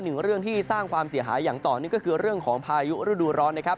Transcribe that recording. หนึ่งเรื่องที่สร้างความเสียหายอย่างต่อเนื่องก็คือเรื่องของพายุฤดูร้อนนะครับ